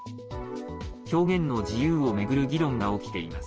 表現の自由をめぐる議論が起きています。